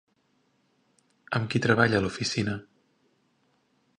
Amb qui treballa a l'oficina?